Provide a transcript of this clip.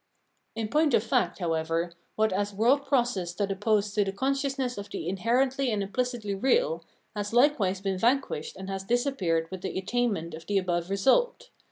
In point of fact, however, what as world process stood opposed to the consciousness of the inherently and impHcitly real, has hkewise been vanquished and has disappeared with the attainment of the above result.